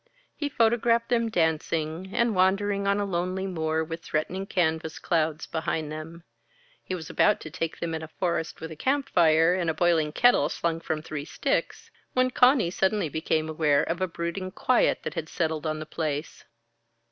He photographed them dancing, and wandering on a lonely moor with threatening canvas clouds behind them. He was about to take them in a forest, with a camp fire, and a boiling kettle slung from three sticks when Conny suddenly became aware of a brooding quiet that had settled on the place.